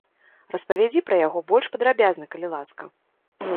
Распавядзі пра яго больш падрабязна, калі ласка.